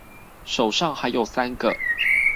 手上還有三個